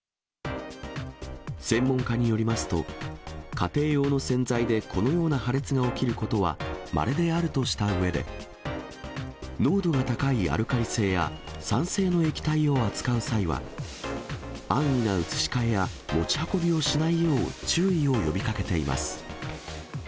専門家によりますと、家庭用の洗剤でこのような破裂が起きることは、まれであるとしたうえで、濃度が高いアルカリ性や酸性の液体を扱う際は、安易な移し替えや持ち運びをしないよう、注意を呼びかけています。